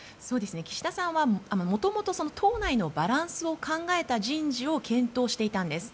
岸田さんはもともと党内のバランスを考えた人事を検討していたんです。